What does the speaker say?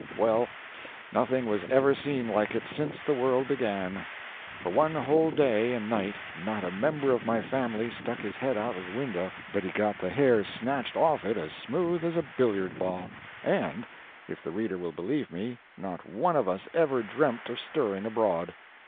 Well, nothing was ever seen like it since the world began. For one whole day and night not a member of my family stuck his head out of the window but he got the hair snatched off it as smooth as a billiard ball; and; if the reader will believe me, not one of us ever dreamt of stirring abroad.